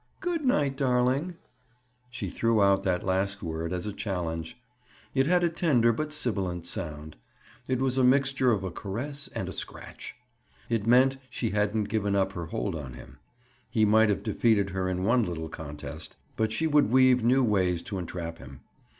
"Good night—darling." She threw out that last word as a challenge. It had a tender but sibilant sound. It was a mixture of a caress and a scratch. It meant she hadn't given up her hold on him. He might have defeated her in one little contest, but she would weave new ways to entrap him.